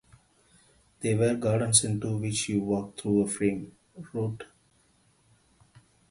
They were gardens into which you walked through a frame, wrote Enid Bagnold.